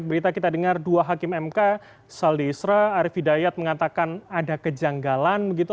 berita kita dengar dua hakim mk saldi isra arief hidayat mengatakan ada kejanggalan begitu